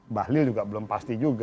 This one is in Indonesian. mbak lih juga belum pasti juga